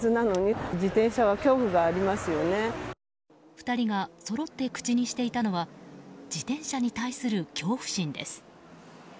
２人がそろって口にしていたのは自転車に対する恐怖心です。